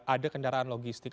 ada kendaraan logistik